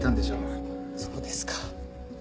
そうですか。